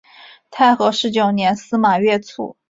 太和十九年司马跃卒。